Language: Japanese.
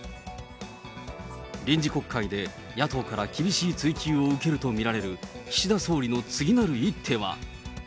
臨時国会で野党から厳しい追及を受けると見られる岸田総理の次なる一手は。